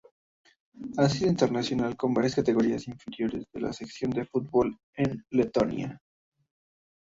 Ha sido internacional con varias categorías inferiores de la selección de fútbol de Letonia.